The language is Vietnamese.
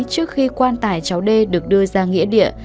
trước khi quan tài cháu d được đưa ra nghĩa địa